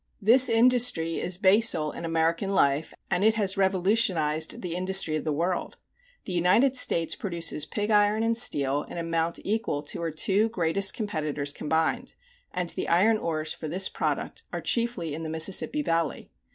This industry is basal in American life, and it has revolutionized the industry of the world. The United States produces pig iron and steel in amount equal to her two greatest competitors combined, and the iron ores for this product are chiefly in the Mississippi Valley.